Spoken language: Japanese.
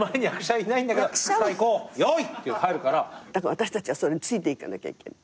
私たちはそれについていかなきゃいけない。